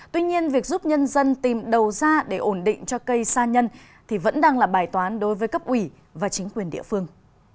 tuy nhiên việc giúp nhân dân tìm đầu ra để ổn định cho cây sa nhân thì vẫn đang là bài toán đối với cấp ủy và chính quyền địa phương